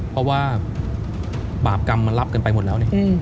เพราะว่าบาปกรรมมันรับกันไปหมดแล้วเนี่ย